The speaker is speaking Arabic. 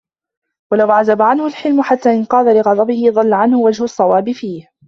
وَلَوْ عَزَبَ عَنْهُ الْحِلْمُ حَتَّى انْقَادَ لِغَضَبِهِ ضَلَّ عَنْهُ وَجْهُ الصَّوَابِ فِيهِ